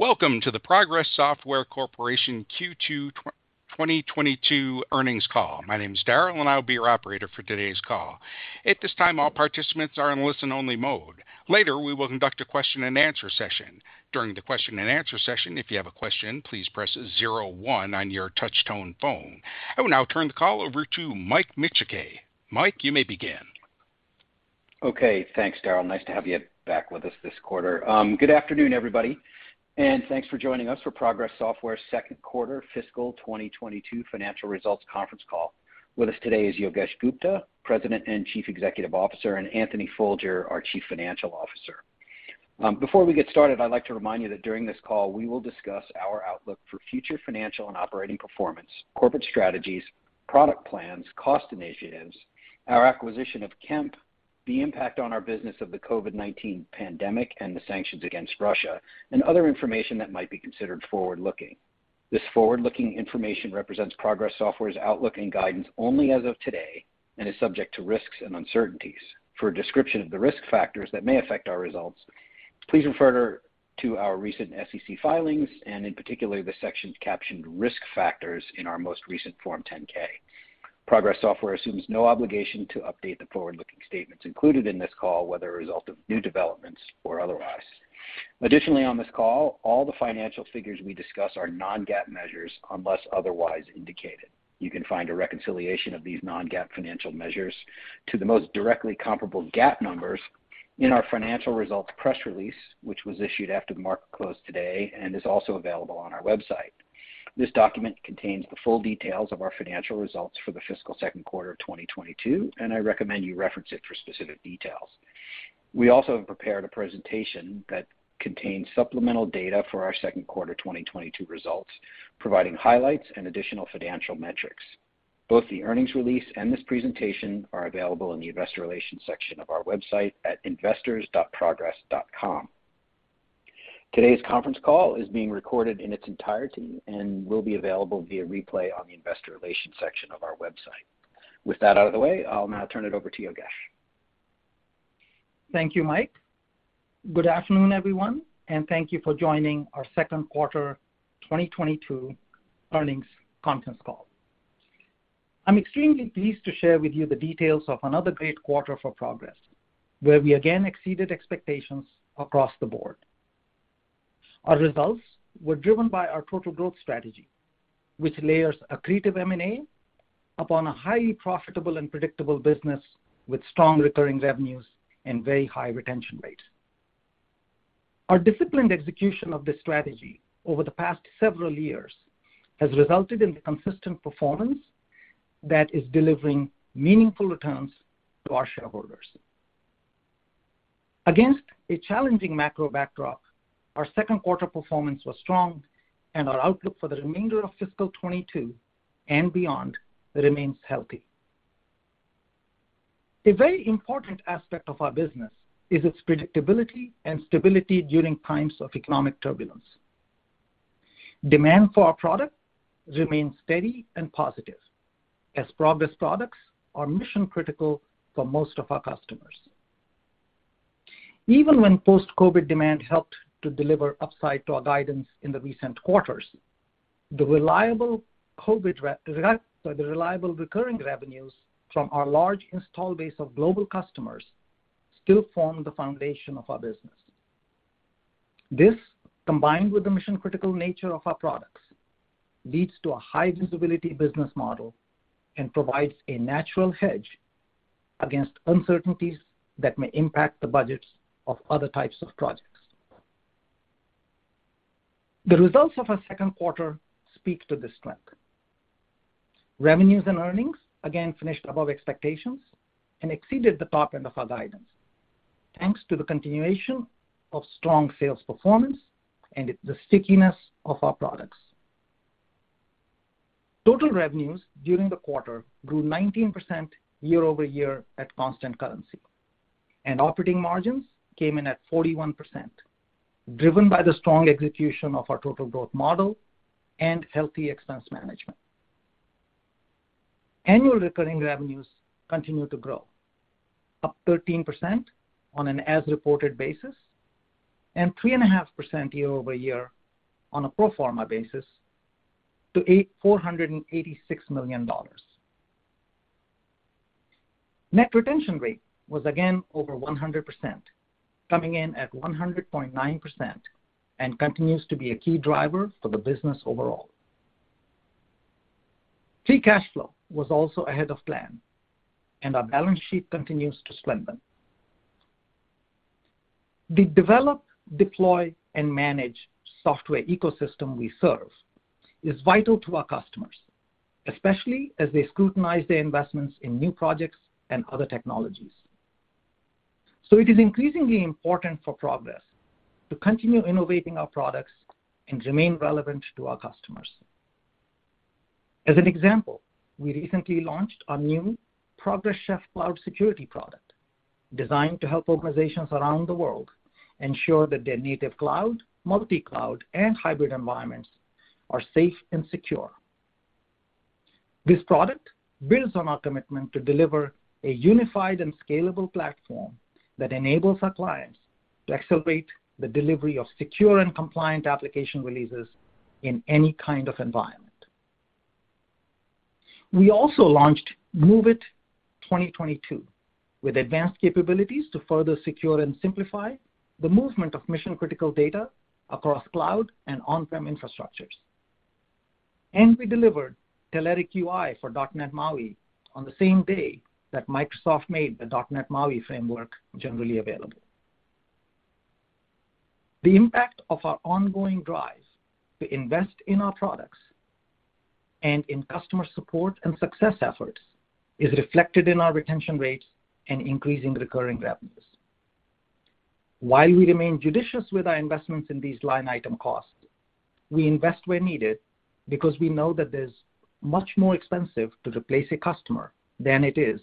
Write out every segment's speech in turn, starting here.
Welcome to the Progress Software Corporation Q2 2022 earnings call. My name is Daryl, and I'll be your operator for today's call. At this time, all participants are in listen-only mode. Later, we will conduct a question-and-answer session. During the question-and-answer session, if you have a question, please press zero one on your touch tone phone. I will now turn the call over to Michael Micciche. Michael, you may begin. Okay. Thanks, Daryl. Nice to have you back with us this quarter. Good afternoon, everybody, and thanks for joining us for Progress Software second quarter fiscal 2022 financial results conference call. With us today is Yogesh Gupta, President and Chief Executive Officer, and Anthony Folger, our Chief Financial Officer. Before we get started, I'd like to remind you that during this call we will discuss our outlook for future financial and operating performance, corporate strategies, product plans, cost initiatives, our acquisition of Kemp, the impact on our business of the COVID-19 pandemic and the sanctions against Russia, and other information that might be considered forward-looking. This forward-looking information represents Progress Software's outlook and guidance only as of today and is subject to risks and uncertainties. For a description of the risk factors that may affect our results, please refer to our recent SEC filings and in particular the section captioned Risk Factors in our most recent Form 10-K. Progress Software assumes no obligation to update the forward-looking statements included in this call, whether a result of new developments or otherwise. Additionally, on this call, all the financial figures we discuss are non-GAAP measures unless otherwise indicated. You can find a reconciliation of these non-GAAP financial measures to the most directly comparable GAAP numbers in our financial results press release, which was issued after the market closed today and is also available on our website. This document contains the full details of our financial results for the fiscal second quarter of 2022, and I recommend you reference it for specific details. We also have prepared a presentation that contains supplemental data for our second quarter 2022 results, providing highlights and additional financial metrics. Both the earnings release and this presentation are available in the investor relations section of our website at investors.progress.com. Today's conference call is being recorded in its entirety and will be available via replay on the investor relations section of our website. With that out of the way, I'll now turn it over to Yogesh. Thank you, Michael. Good afternoon, everyone, and thank you for joining our second quarter 2022 earnings conference call. I'm extremely pleased to share with you the details of another great quarter for Progress, where we again exceeded expectations across the board. Our results were driven by our total growth strategy, which layers accretive M&A upon a highly profitable and predictable business with strong recurring revenues and very high retention rates. Our disciplined execution of this strategy over the past several years has resulted in consistent performance that is delivering meaningful returns to our shareholders. Against a challenging macro backdrop, our second quarter performance was strong and our outlook for the remainder of fiscal 2022 and beyond remains healthy. A very important aspect of our business is its predictability and stability during times of economic turbulence. Demand for our product remains steady and positive as Progress products are mission critical for most of our customers. Even when post-COVID demand helped to deliver upside to our guidance in the recent quarters, the reliable recurring revenues from our large installed base of global customers still form the foundation of our business. This, combined with the mission-critical nature of our products, leads to a high visibility business model and provides a natural hedge against uncertainties that may impact the budgets of other types of projects. The results of our second quarter speak to this strength. Revenues and earnings again finished above expectations and exceeded the top end of our guidance, thanks to the continuation of strong sales performance and the stickiness of our products. Total revenues during the quarter grew 19% year over year at constant currency, and operating margins came in at 41%, driven by the strong execution of our total growth model and healthy expense management. Annual recurring revenues continue to grow, up 13% on an as-reported basis and 3.5% year over year on a pro forma basis to $486 million. Net retention rate was again over 100%, coming in at 100.9% and continues to be a key driver for the business overall. Free cash flow was also ahead of plan, and our balance sheet continues to strengthen. The develop, deploy, and manage software ecosystem we serve is vital to our customers, especially as they scrutinize their investments in new projects and other technologies. It is increasingly important for Progress to continue innovating our products and remain relevant to our customers. As an example, we recently launched our new Progress Chef Cloud Security product designed to help organizations around the world ensure that their native cloud, multi-cloud, and hybrid environments are safe and secure. This product builds on our commitment to deliver a unified and scalable platform that enables our clients to accelerate the delivery of secure and compliant application releases in any kind of environment. We also launched MOVEit 2022 with advanced capabilities to further secure and simplify the movement of mission-critical data across cloud and on-prem infrastructures. We delivered Telerik UI for .NET MAUI on the same day that Microsoft made the .NET MAUI framework generally available. The impact of our ongoing drive to invest in our products and in customer support and success efforts is reflected in our retention rates and increasing recurring revenues. While we remain judicious with our investments in these line item costs, we invest where needed because we know that it is much more expensive to replace a customer than it is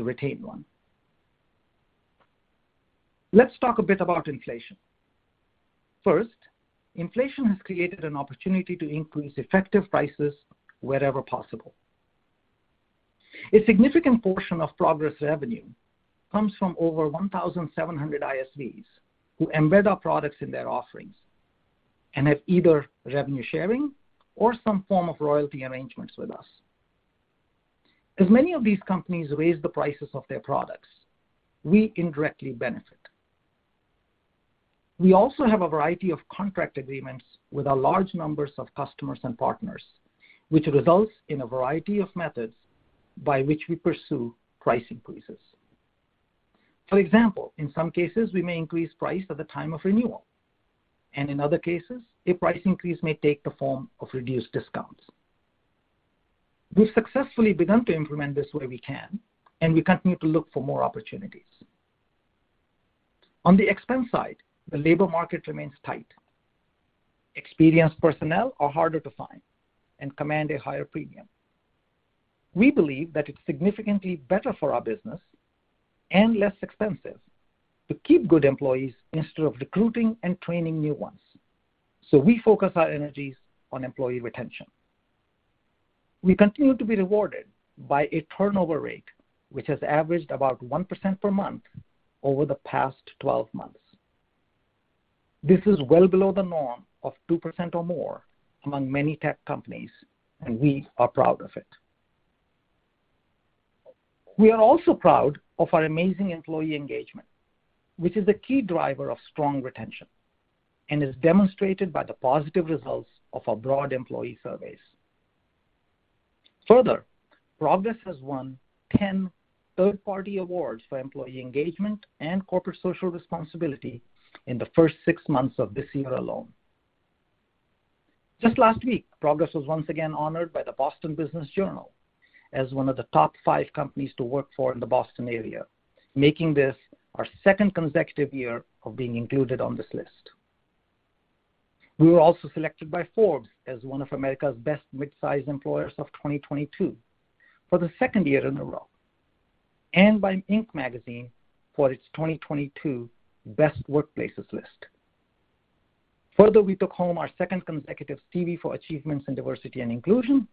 to retain one. Let's talk a bit about inflation. First, inflation has created an opportunity to increase effective prices wherever possible. A significant portion of Progress revenue comes from over 1,700 ISVs who embed our products in their offerings and have either revenue sharing or some form of royalty arrangements with us. As many of these companies raise the prices of their products, we indirectly benefit. We also have a variety of contract agreements with our large numbers of customers and partners, which results in a variety of methods by which we pursue price increases. For example, in some cases, we may increase price at the time of renewal, and in other cases, a price increase may take the form of reduced discounts. We've successfully begun to implement this where we can, and we continue to look for more opportunities. On the expense side, the labor market remains tight. Experienced personnel are harder to find and command a higher premium. We believe that it's significantly better for our business and less expensive to keep good employees instead of recruiting and training new ones. We focus our energies on employee retention. We continue to be rewarded by a turnover rate, which has averaged about 1% per month over the past 12 months. This is well below the norm of 2% or more among many tech companies, and we are proud of it. We are also proud of our amazing employee engagement, which is a key driver of strong retention and is demonstrated by the positive results of our broad employee surveys. Further, Progress has won 10 third-party awards for employee engagement and corporate social responsibility in the first six months of this year alone. Just last week, Progress was once again honored by the Boston Business Journal as one of the top five companies to work for in the Boston area, making this our second consecutive year of being included on this list. We were also selected by Forbes as one of America's best midsize employers of 2022 for the second year in a row and by Inc. magazine for its 2022 Best Workplaces list. Further, we took home our second consecutive Stevie for achievements in diversity and inclusion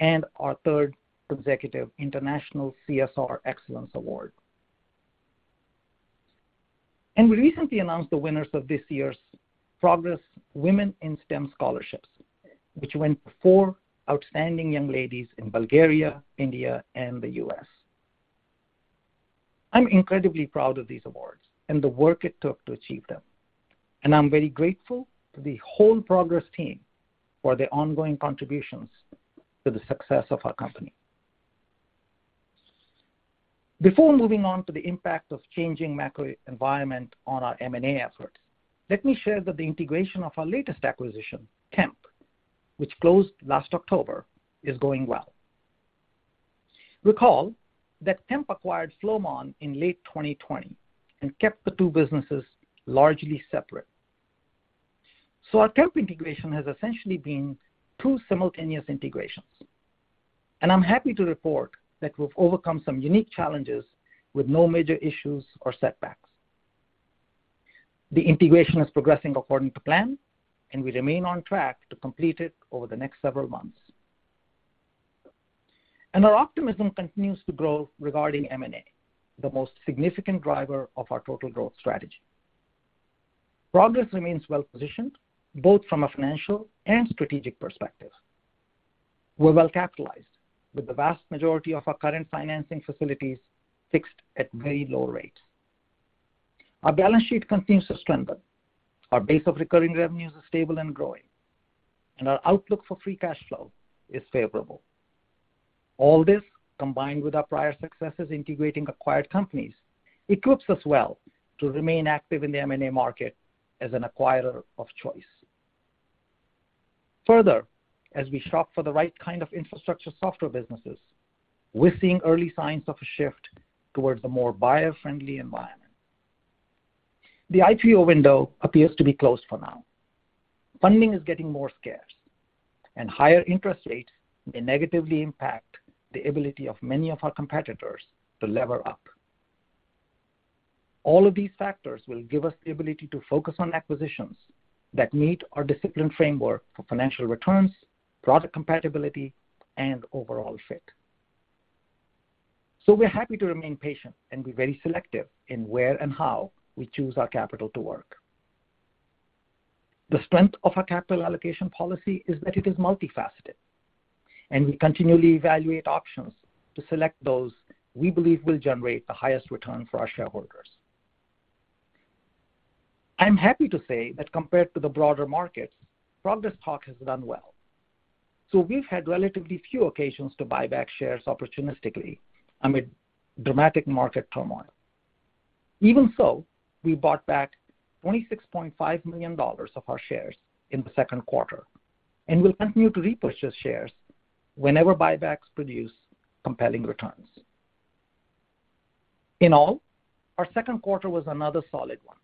and our third consecutive International CSR Excellence Award. We recently announced the winners of this year's Progress Women in STEM scholarships, which went to four outstanding young ladies in Bulgaria, India, and the U.S. I'm incredibly proud of these awards and the work it took to achieve them. I'm very grateful to the whole Progress team for their ongoing contributions to the success of our company. Before moving on to the impact of changing macro environment on our M&A efforts, let me share that the integration of our latest acquisition, Kemp, which closed last October, is going well. Recall that Kemp acquired Flowmon in late 2020 and kept the two businesses largely separate. Our Kemp integration has essentially been two simultaneous integrations, and I'm happy to report that we've overcome some unique challenges with no major issues or setbacks. The integration is progressing according to plan, and we remain on track to complete it over the next several months. Our optimism continues to grow regarding M&A, the most significant driver of our total growth strategy. Progress remains well-positioned, both from a financial and strategic perspective. We're well capitalized, with the vast majority of our current financing facilities fixed at very low rates. Our balance sheet continues to strengthen. Our base of recurring revenues is stable and growing, and our outlook for free cash flow is favorable. All this, combined with our prior successes integrating acquired companies, equips us well to remain active in the M&A market as an acquirer of choice. Further, as we shop for the right kind of infrastructure software businesses, we're seeing early signs of a shift towards a more buyer-friendly environment. The IPO window appears to be closed for now. Funding is getting more scarce, and higher interest rates may negatively impact the ability of many of our competitors to lever up. All of these factors will give us the ability to focus on acquisitions that meet our disciplined framework for financial returns, product compatibility, and overall fit. We're happy to remain patient and be very selective in where and how we choose our capital to work. The strength of our capital allocation policy is that it is multifaceted, and we continually evaluate options to select those we believe will generate the highest return for our shareholders. I'm happy to say that compared to the broader markets, Progress stock has done well. We've had relatively few occasions to buy back shares opportunistically amid dramatic market turmoil. Even so, we bought back $26.5 million of our shares in the second quarter, and we'll continue to repurchase shares whenever buybacks produce compelling returns. In all, our second quarter was another solid one,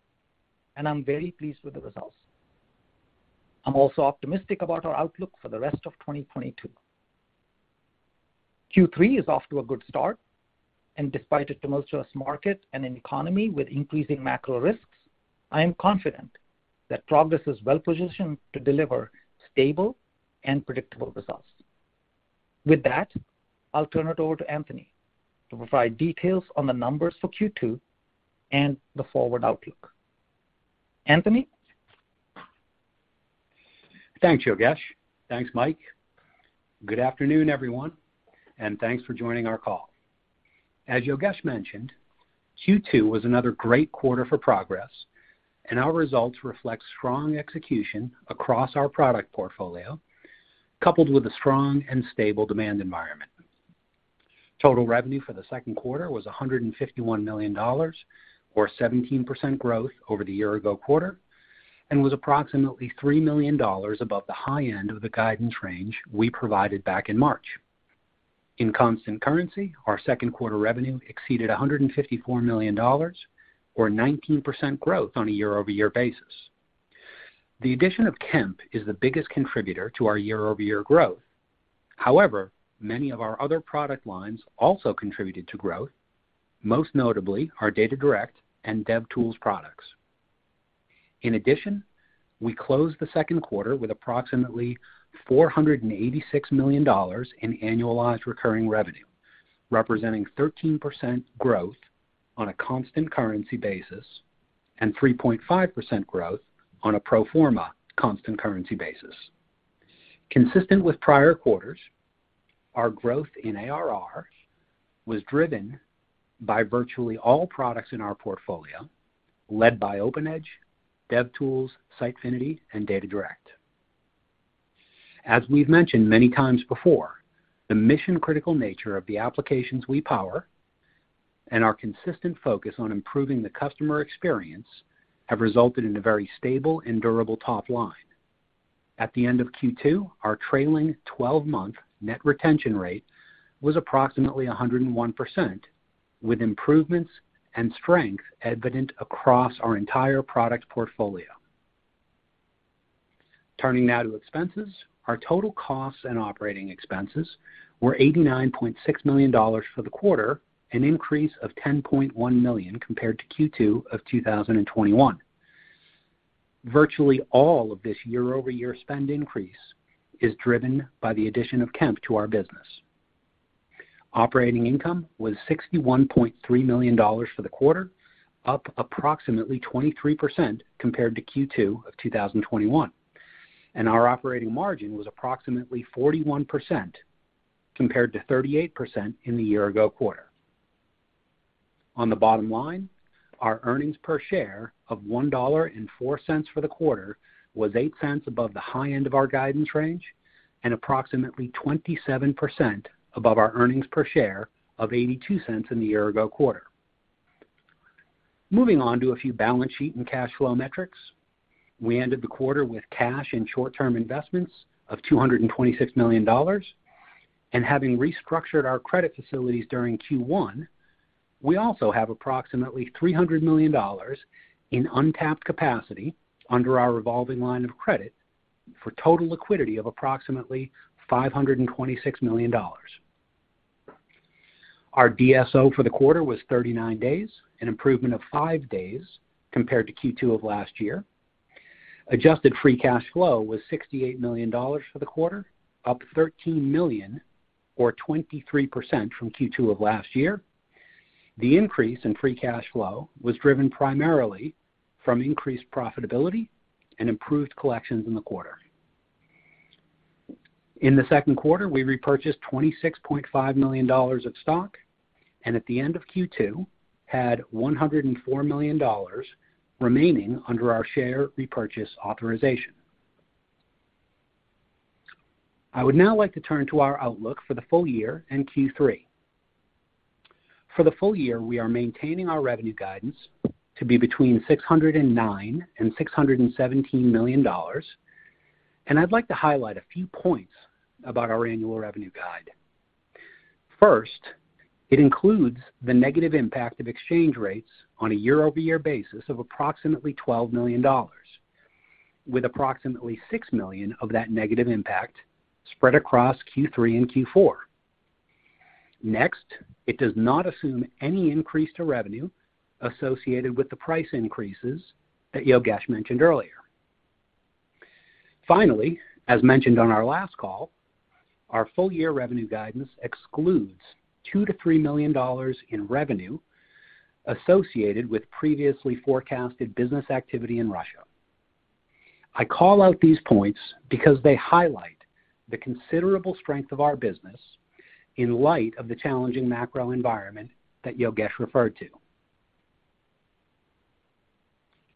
and I'm very pleased with the results. I'm also optimistic about our outlook for the rest of 2022. Q3 is off to a good start, and despite a tumultuous market and an economy with increasing macro risks, I am confident that Progress is well-positioned to deliver stable and predictable results. With that, I'll turn it over to Anthony to provide details on the numbers for Q2 and the forward outlook. Anthony? Thanks, Yogesh. Thanks, Michael. Good afternoon, everyone, and thanks for joining our call. As Yogesh mentioned, Q2 was another great quarter for Progress, and our results reflect strong execution across our product portfolio, coupled with a strong and stable demand environment. Total revenue for the second quarter was $151 million or 17% growth over the year-ago quarter and was approximately $3 million above the high end of the guidance range we provided back in March. In constant currency, our second quarter revenue exceeded $154 million or 19% growth on a year-over-year basis. The addition of Kemp is the biggest contributor to our year-over-year growth. However, many of our other product lines also contributed to growth, most notably our DataDirect and DevTools products. In addition, we closed the second quarter with approximately $486 million in annualized recurring revenue, representing 13% growth on a constant currency basis and 3.5% growth on a pro forma constant currency basis. Consistent with prior quarters, our growth in ARR was driven by virtually all products in our portfolio, led by OpenEdge, DevTools, Sitefinity, and DataDirect. As we've mentioned many times before, the mission-critical nature of the applications we power and our consistent focus on improving the customer experience have resulted in a very stable and durable top line. At the end of Q2, our trailing 12-month net retention rate was approximately 101%, with improvements and strength evident across our entire product portfolio. Turning now to expenses. Our total costs and operating expenses were $89.6 million for the quarter, an increase of $10.1 million compared to Q2 of 2021. Virtually all of this year-over-year spend increase is driven by the addition of Kemp to our business. Operating income was $61.3 million for the quarter, up approximately 23% compared to Q2 of 2021, and our operating margin was approximately 41% compared to 38% in the year-ago quarter. On the bottom line, our earnings per share of $1.04 for the quarter was $0.08 above the high end of our guidance range and approximately 27% above our earnings per share of $0.82 in the year-ago quarter. Moving on to a few balance sheet and cash flow metrics. We ended the quarter with cash and short-term investments of $226 million. Having restructured our credit facilities during Q1, we also have approximately $300 million in untapped capacity under our revolving line of credit for total liquidity of approximately $526 million. Our DSO for the quarter was 39 days, an improvement of five days compared to Q2 of last year. Adjusted free cash flow was $68 million for the quarter, up $13 million or 23% from Q2 of last year. The increase in free cash flow was driven primarily from increased profitability and improved collections in the quarter. In the second quarter, we repurchased $26.5 million of stock and at the end of Q2 had $104 million remaining under our share repurchase authorization. I would now like to turn to our outlook for the full year in Q3. For the full year, we are maintaining our revenue guidance to be between $609 million and $617 million, and I'd like to highlight a few points about our annual revenue guide. First, it includes the negative impact of exchange rates on a year-over-year basis of approximately $12 million, with approximately $6 million of that negative impact spread across Q3 and Q4. Next, it does not assume any increase to revenue associated with the price increases that Yogesh mentioned earlier. Finally, as mentioned on our last call, our full year revenue guidance excludes $2 million-$3 million in revenue associated with previously forecasted business activity in Russia. I call out these points because they highlight the considerable strength of our business in light of the challenging macro environment that Yogesh referred to.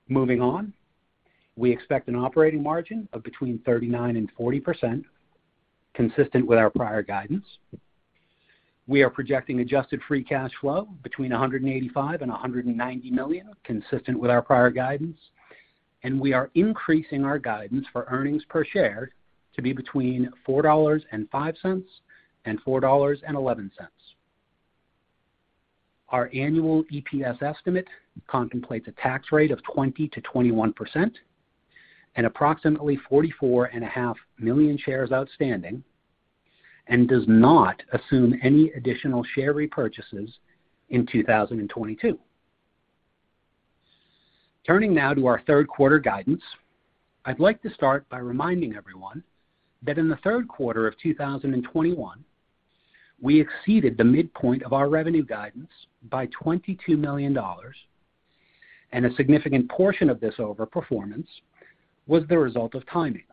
Moving on, we expect an operating margin of between 39% and 40%, consistent with our prior guidance. We are projecting adjusted free cash flow between $185 million and $190 million, consistent with our prior guidance. We are increasing our guidance for earnings per share to be between $4.05 and $4.11. Our annual EPS estimate contemplates a tax rate of 20%-21% and approximately 44.5 million shares outstanding, and does not assume any additional share repurchases in 2022. Turning now to our third quarter guidance, I'd like to start by reminding everyone that in the third quarter of 2021, we exceeded the midpoint of our revenue guidance by $22 million, and a significant portion of this overperformance was the result of timing,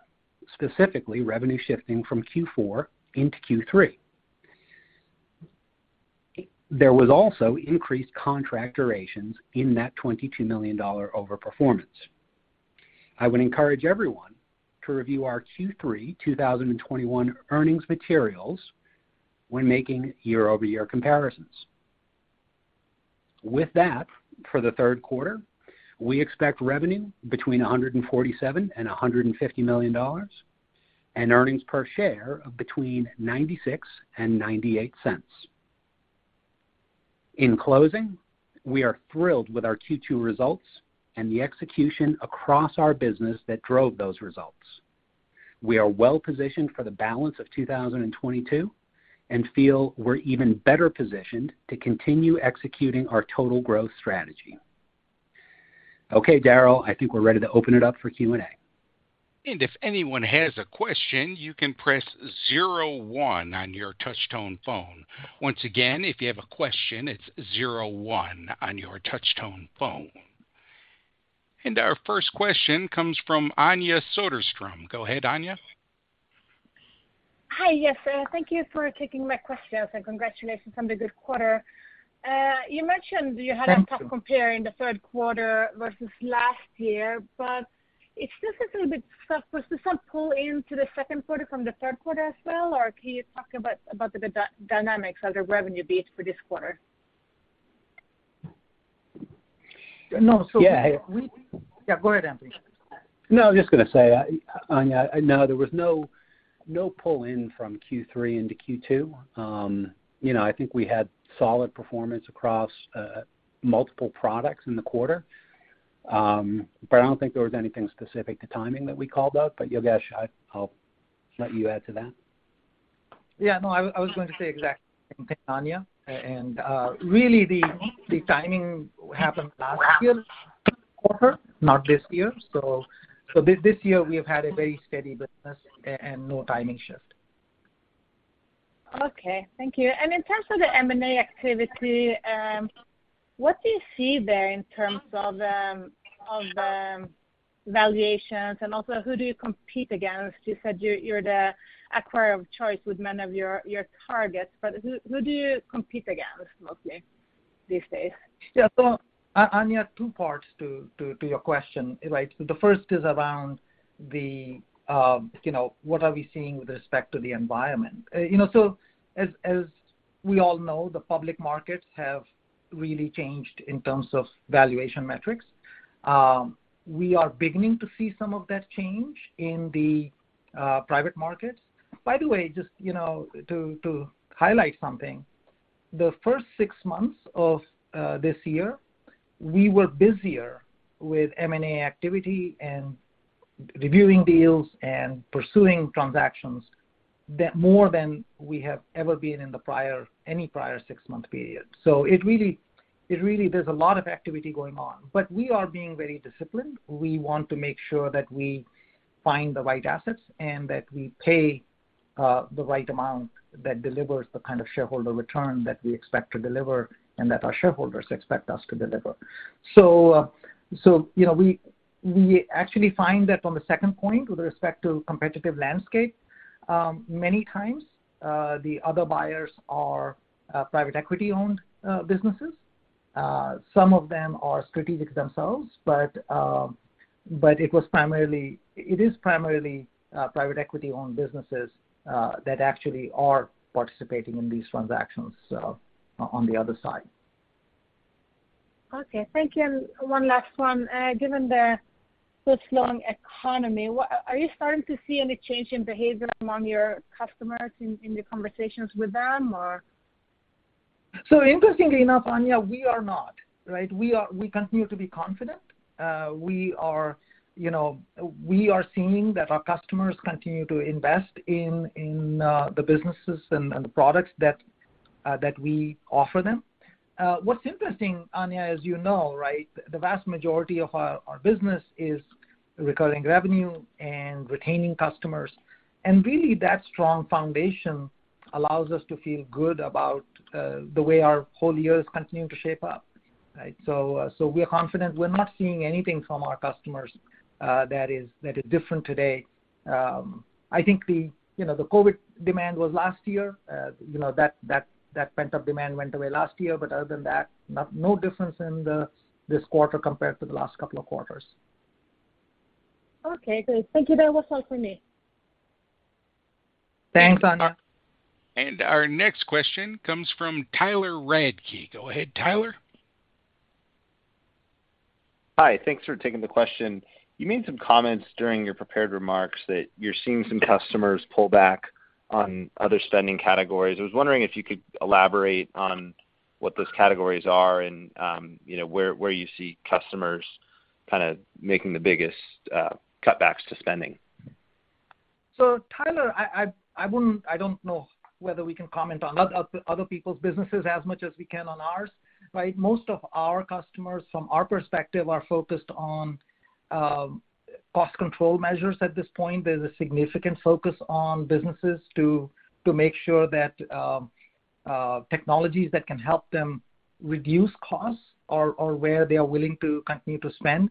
specifically revenue shifting from Q4 into Q3. There was also increased contract durations in that $22 million overperformance. I would encourage everyone to review our Q3 2021 earnings materials when making year-over-year comparisons. With that, for the third quarter, we expect revenue between $147 million and $150 million and earnings per share of between $0.96 and $0.98. In closing, we are thrilled with our Q2 results and the execution across our business that drove those results. We are well positioned for the balance of 2022 and feel we're even better positioned to continue executing our total growth strategy. Okay, Daryl, I think we're ready to open it up for Q&A. If anyone has a question, you can press zero one on your touch tone phone. Once again, if you have a question, it's zero one on your touch tone phone. Our first question comes from Anja Soderstrom. Go ahead, Anja. Hi. Yes. Thank you for taking my questions, and congratulations on the good quarter. You mentioned. Thank you. You had a tough compare in the third quarter versus last year, but it still seems a little bit tough. Was there some pull into the second quarter from the third quarter as well, or can you talk about the dynamics of the revenue base for this quarter? No. Yeah. Yeah, go ahead, Anthony. No, I was just gonna say, Anja, no, there was no pull-in from Q3 into Q2. You know, I think we had solid performance across multiple products in the quarter. I don't think there was anything specific to timing that we called out. Yogesh, I'll let you add to that. Yeah, no, I was going to say exactly the same thing, Anja. Really, the timing happened last year quarter, not this year. This year, we have had a very steady business and no timing shift. Okay. Thank you. In terms of the M&A activity, what do you see there in terms of valuations, and also who do you compete against? You said you're the acquirer of choice with many of your targets, but who do you compete against mostly these days? Yeah. Anja, two parts to your question, right? The first is around the, you know, what are we seeing with respect to the environment? You know, as we all know, the public markets have really changed in terms of valuation metrics. We are beginning to see some of that change in the private markets. By the way, just, you know, to highlight something, the first six months of this year, we were busier with M&A activity and reviewing deals and pursuing transactions than we have ever been in any prior six-month period. It really, there's a lot of activity going on. We are being very disciplined. We want to make sure that we find the right assets and that we pay the right amount that delivers the kind of shareholder return that we expect to deliver and that our shareholders expect us to deliver. You know, we actually find that on the second point with respect to competitive landscape, many times, the other buyers are private equity-owned businesses. Some of them are strategic themselves, but it is primarily private equity-owned businesses that actually are participating in these transactions on the other side. Okay. Thank you. One last one. Given the slow economy, what are you starting to see any change in behavior among your customers in your conversations with them, or? Interestingly enough, Anja, we are not, right? We continue to be confident. We are, you know, seeing that our customers continue to invest in the businesses and the products that we offer them. What's interesting, Anja, as you know, right, the vast majority of our business is recurring revenue and retaining customers. Really that strong foundation allows us to feel good about the way our whole year is continuing to shape up, right? We are confident. We're not seeing anything from our customers that is different today. I think, you know, the COVID demand was last year. You know, that pent-up demand went away last year. Other than that, no difference in this quarter compared to the last couple of quarters. Okay, great. Thank you. That was all for me. Thanks, Anja. Our next question comes from Tyler Radke. Go ahead, Tyler. Hi. Thanks for taking the question. You made some comments during your prepared remarks that you're seeing some customers pull back on other spending categories. I was wondering if you could elaborate on what those categories are and, you know, where you see customers kinda making the biggest cutbacks to spending. Tyler, I wouldn't. I don't know whether we can comment on other people's businesses as much as we can on ours, right? Most of our customers from our perspective are focused on cost control measures at this point. There's a significant focus on businesses to make sure that technologies that can help them reduce costs are where they are willing to continue to spend.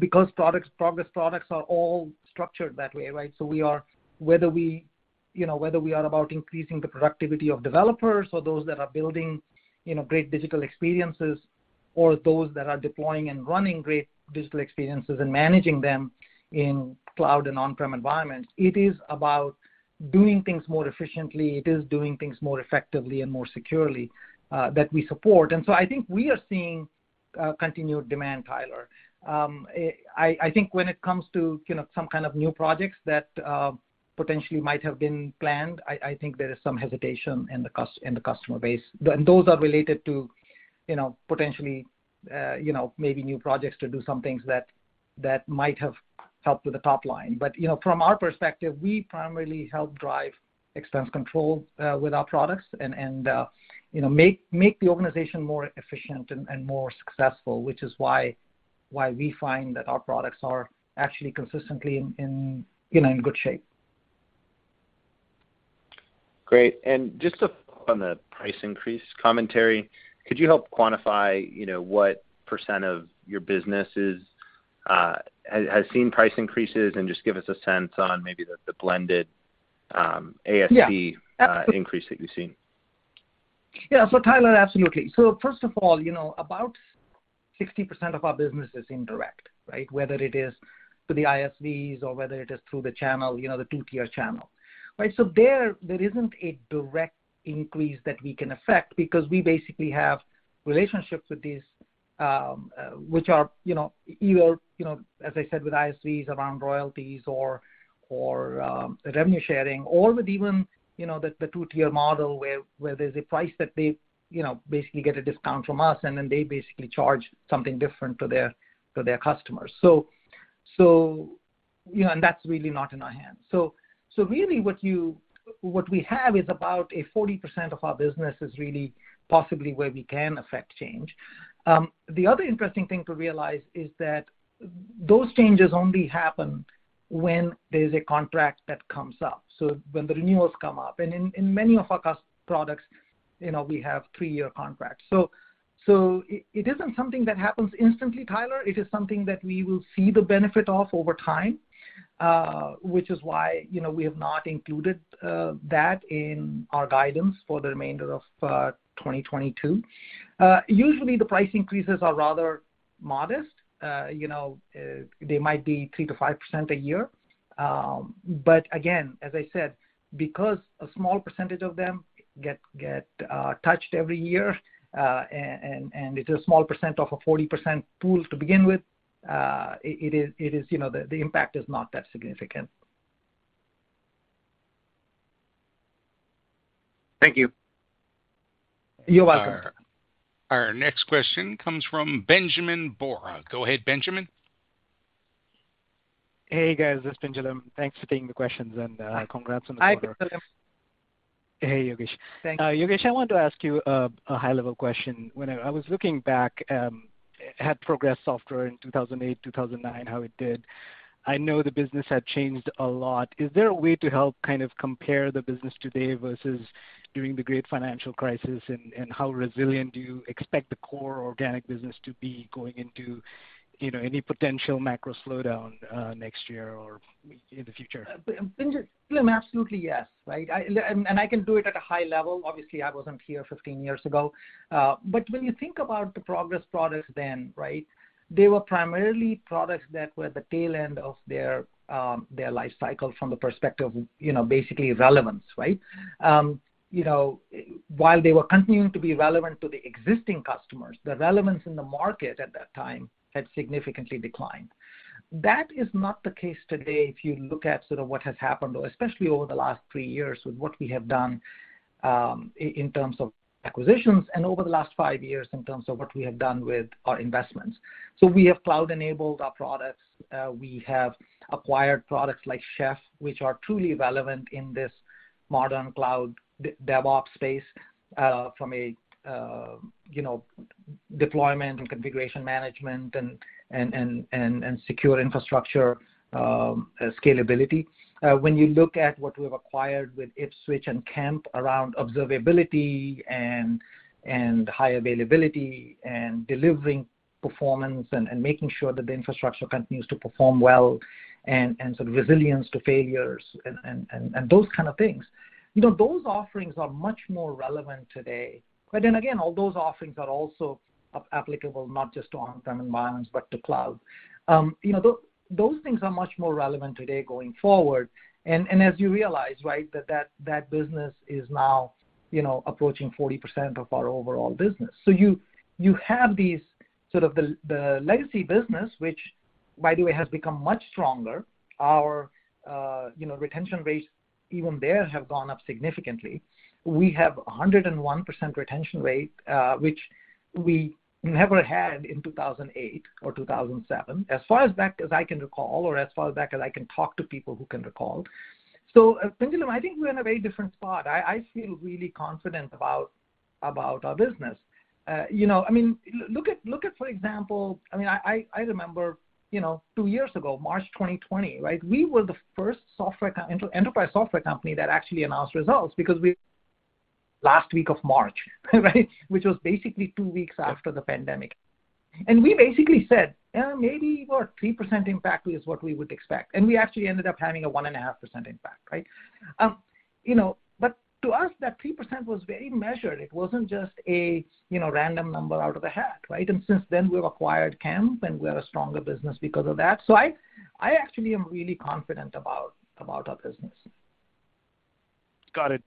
Because Progress products are all structured that way, right? We are whether we, you know, are about increasing the productivity of developers or those that are building, you know, great digital experiences or those that are deploying and running great digital experiences and managing them in cloud and on-prem environments, it is about doing things more efficiently. It is doing things more effectively and more securely that we support. I think we are seeing continued demand, Tyler. I think when it comes to you know some kind of new projects that potentially might have been planned, I think there is some hesitation in the customer base. Those are related to you know potentially you know maybe new projects to do some things that might have helped with the top line. But you know from our perspective, we primarily help drive expense control with our products and you know make the organization more efficient and more successful, which is why we find that our products are actually consistently in you know in good shape. Great. Just to follow up on the price increase commentary, could you help quantify, you know, what percent of your business is, has seen price increases and just give us a sense on maybe the blended ASP? Yeah. Increase that you've seen? Yeah. Tyler, absolutely. First of all, you know, about 60% of our business is indirect, right? Whether it is through the ISVs or whether it is through the channel, you know, the two-tier channel, right? There isn't a direct increase that we can affect because we basically have relationships with these, which are, you know, either, you know, as I said, with ISVs around royalties or revenue sharing or with even, you know, the two-tier model where there's a price that they, you know, basically get a discount from us, and then they basically charge something different to their customers. You know, and that's really not in our hands. Really what we have is about 40% of our business is really possibly where we can affect change. The other interesting thing to realize is that those changes only happen when there's a contract that comes up, so when the renewals come up. In many of our products, you know, we have three-year contracts. It isn't something that happens instantly, Tyler. It is something that we will see the benefit of over time, which is why, you know, we have not included that in our guidance for the remainder of 2022. Usually the price increases are rather modest. You know, they might be 3%-5% a year. Again, as I said, because a small percentage of them get touched every year, and it's a small percent of a 40% pool to begin with, it is, you know. The impact is not that significant. Thank you. You're welcome. Our next question comes from Pinjalim Bora. Go ahead, Benjamin. Hey, guys. It's Pinjalim Bora. Thanks for taking the questions, and, congrats on the quarter. Hi, Pinjalim Bora. Hey, Yogesh. Thank you. Yogesh, I wanted to ask you a high-level question. When I was looking back at Progress Software in 2008, 2009, how it did. I know the business had changed a lot. Is there a way to help kind of compare the business today versus during the great financial crisis? How resilient do you expect the core organic business to be going into any potential macro slowdown next year or in the future? Pinjalim Bora, absolutely, yes, right? I can do it at a high level. Obviously, I wasn't here 15 years ago. When you think about the Progress products then, right? They were primarily products that were the tail end of their life cycle from the perspective, you know, basically relevance, right? You know, while they were continuing to be relevant to the existing customers, the relevance in the market at that time had significantly declined. That is not the case today if you look at sort of what has happened, or especially over the last three years with what we have done, in terms of acquisitions and over the last five years in terms of what we have done with our investments. We have cloud-enabled our products. We have acquired products like Chef, which are truly relevant in this modern cloud DevOps space, from a, you know, deployment and configuration management and secure infrastructure, scalability. When you look at what we've acquired with Ipswitch and Kemp around observability and high availability and delivering performance and making sure that the infrastructure continues to perform well and sort of resilience to failures and those kind of things, you know, those offerings are much more relevant today. Then again, all those offerings are also applicable not just to on-prem environments, but to cloud. You know, those things are much more relevant today going forward. As you realize, right, that business is now, you know, approaching 40% of our overall business. You have these sort of the legacy business, which by the way, has become much stronger. Our you know retention rates even there have gone up significantly. We have 101% retention rate, which we never had in 2008 or 2007, as far back as I can recall or as far back as I can talk to people who can recall. Pinjalim, I think we're in a very different spot. I feel really confident about our business. You know, I mean, look at for example, I mean, I remember, you know, two years ago, March 2020, right? We were the first enterprise software company that actually announced results because last week of March right? Which was basically two weeks after the pandemic. We basically said, "Yeah, maybe we're at 3% impact is what we would expect." We actually ended up having a 1.5% impact, right? You know, but to us, that 3% was very measured. It wasn't just a, you know, random number out of a hat, right? Since then, we've acquired Kemp, and we're a stronger business because of that. I actually am really confident about our business. Got it.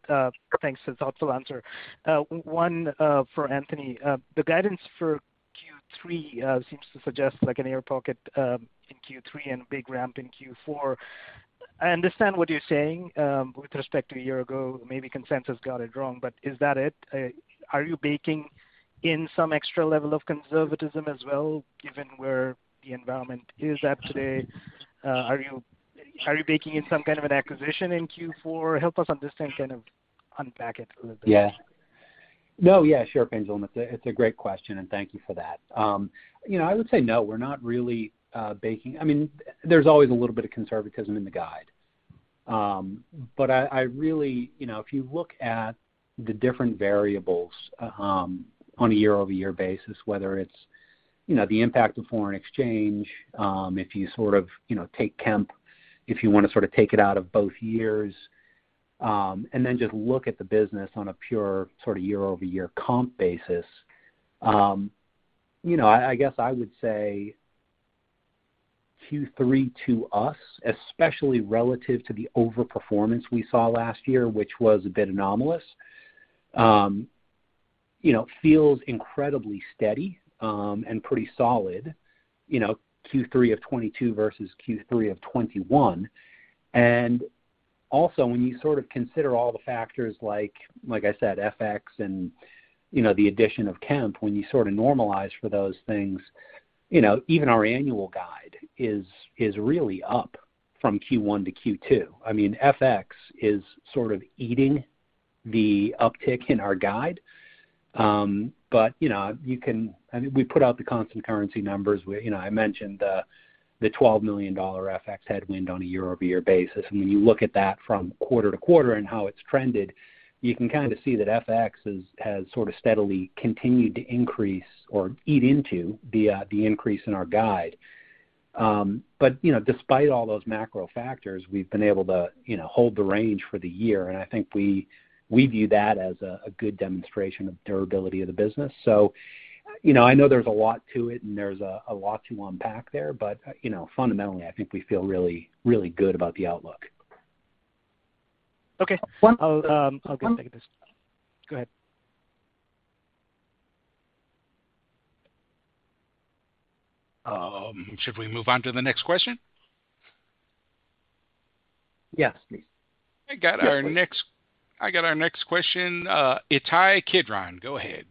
Thanks for the thoughtful answer. One for Anthony. The guidance for Q3 seems to suggest like an air pocket in Q3 and a big ramp in Q4. I understand what you're saying with respect to a year ago, maybe consensus got it wrong, but is that it? Are you baking in some extra level of conservatism as well, given where the environment is at today? Are you baking in some kind of an acquisition in Q4? Help us understand, kind of unpack it a little bit. Yeah. No, yeah, sure, Pinjalim. It's a great question, and thank you for that. You know, I would say no, we're not really, I mean, there's always a little bit of conservatism in the guide. I really you know, if you look at the different variables, on a year-over-year basis, whether it's, you know, the impact of foreign exchange, if you sort of, you know, take Kemp, if you wanna sort of take it out of both years, and then just look at the business on a pure sort of year-over-year comp basis, you know, I guess I would say Q3 to us, especially relative to the overperformance we saw last year, which was a bit anomalous, you know, feels incredibly steady, and pretty solid, you know, Q3 of 2022 versus Q3 of 2021. When you sort of consider all the factors like I said, FX and, you know, the addition of Kemp, when you sort of normalize for those things, you know, even our annual guide is really up from Q1 to Q2. I mean, FX is sort of eating the uptick in our guide. You know, I mean, we put out the constant currency numbers. You know, I mentioned the $12 million FX headwind on a year-over-year basis. When you look at that from quarter to quarter and how it's trended, you can kind of see that FX has sort of steadily continued to increase or eat into the increase in our guide. You know, despite all those macro factors, we've been able to, you know, hold the range for the year, and I think we view that as a good demonstration of durability of the business. You know, I know there's a lot to it and there's a lot to unpack there. You know, fundamentally, I think we feel really good about the outlook. Okay. One- I'll get back to this. Go ahead. Should we move on to the next question? Yes, please. I got our next question. Ittai Kidron, go ahead.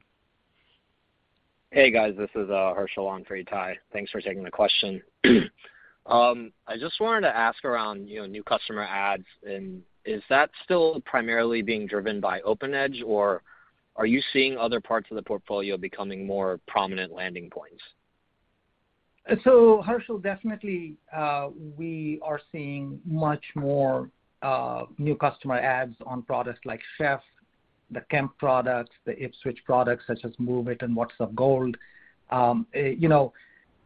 Hey, guys. This is Gershel on for Ittai. Thanks for taking the question. I just wanted to ask around, you know, new customer adds, and is that still primarily being driven by OpenEdge or are you seeing other parts of the portfolio becoming more prominent landing points? Gershel, definitely, we are seeing much more new customer adds on products like Chef, the Kemp product, the Ipswitch products such as MOVEit and WhatsUp Gold. You know,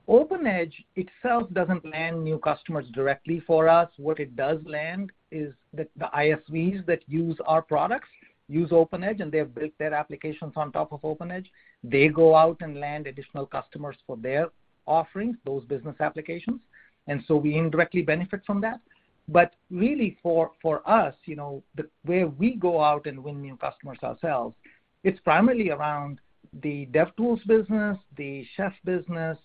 OpenEdge itself doesn't land new customers directly for us. What it does land is the ISVs that use our products use OpenEdge, and they have built their applications on top of OpenEdge. They go out and land additional customers for their offerings, those business applications. We indirectly benefit from that. But really for us, you know, the way we go out and win new customers ourselves, it's primarily around the DevTools business, the Chef business,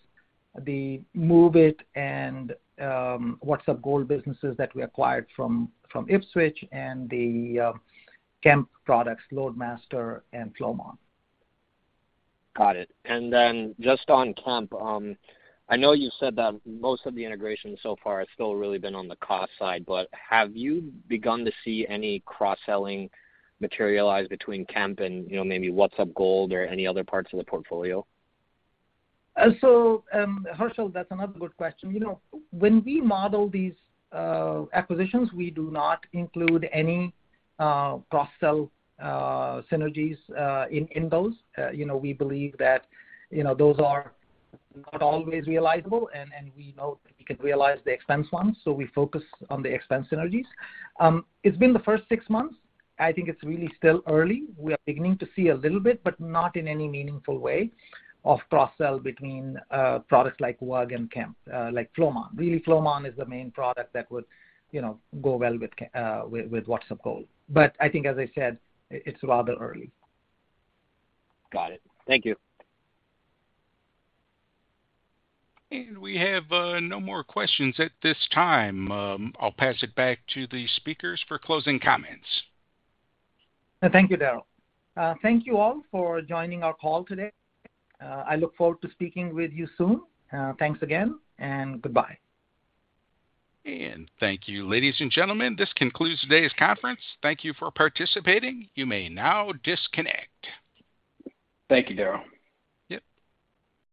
the MOVEit and WhatsUp Gold businesses that we acquired from Ipswitch and the Kemp products, LoadMaster and Flowmon. Got it. Just on Kemp, I know you said that most of the integration so far has still really been on the cost side, but have you begun to see any cross-selling materialize between Kemp and, you know, maybe WhatsUp Gold or any other parts of the portfolio? Gershel, that's another good question. You know, when we model these acquisitions, we do not include any cross-sell synergies in those. You know, we believe that, you know, those are not always realizable, and we know that we can realize the expense ones, so we focus on the expense synergies. It's been the first six months. I think it's really still early. We are beginning to see a little bit, but not in any meaningful way of cross-sell between products like WAG and Kemp, like Flowmon. Really, Flowmon is the main product that would, you know, go well with WhatsUp Gold. But I think as I said, it's rather early. Got it. Thank you. We have no more questions at this time. I'll pass it back to the speakers for closing comments. Thank you, Daryl. Thank you all for joining our call today. I look forward to speaking with you soon. Thanks again and goodbye. Thank you. Ladies and gentlemen, this concludes today's conference. Thank you for participating. You may now disconnect. Thank you, Daryl. Yep.